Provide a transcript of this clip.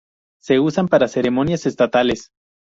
Se usan para ceremonias estatales.